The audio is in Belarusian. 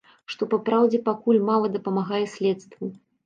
Што, па праўдзе, пакуль мала дапамагае следству.